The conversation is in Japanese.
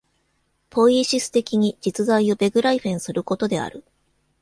ポイエシス的に実在をベグライフェンすることである。